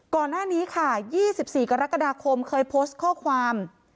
ก่อนหน้านี้ค่ะ๒๔กรกฎาคมเคยโพสต์ข้อความ